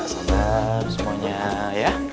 senang semuanya ya